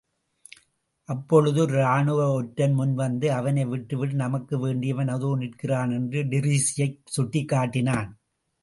அப்பொழுது ஒரு ராணுவ ஒற்றன் முன்வந்து, அவனை விட்டுவிடு நமக்கு வேண்டியவன்.அதோ நிற்கிறான் என்று டிரீஸியைச் சுட்டிக்காட்டினான்.